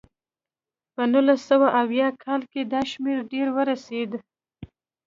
په نولس سوه اویا کال کې دا شمېره ډېره ورسېده.